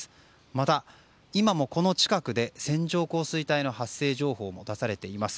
また、今もこの近くで線状降水帯の発生情報も出されています。